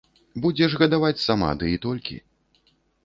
Будзеш гадаваць сама, ды і толькі.